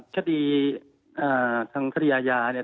คดีทางสวัสดีธรรมนี้